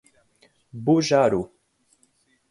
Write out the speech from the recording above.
Bujaru